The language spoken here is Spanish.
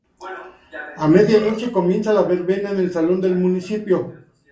A medianoche comienza la verbena en el salón del municipio.